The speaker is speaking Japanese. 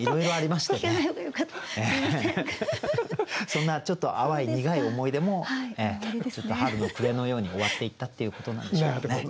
そんなちょっと淡い苦い思い出も春の暮のように終わっていったっていうことなんでしょうね。